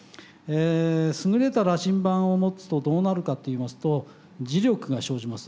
すぐれた羅針盤を持つとどうなるかっていいますと磁力が生じます。